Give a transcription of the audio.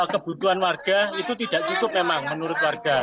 kebutuhan warga itu tidak cukup memang menurut warga